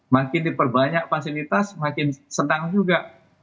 makin diperbanyak fasilitas makin senang juga